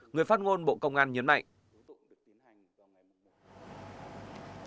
người phát ngôn bộ công an nhấn mạnh